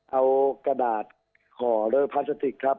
เอากระดาษห่อด้วยพลาสติกครับ